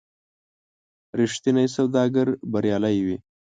رښتینی سوداګر بریالی وي.